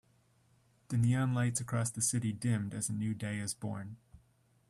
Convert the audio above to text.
The neon lights across the city dimmed as a new day is born.